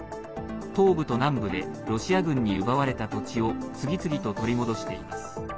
東部と南部でロシア軍に奪われた土地を次々と取り戻しています。